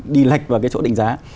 đi lệch vào cái chỗ định giá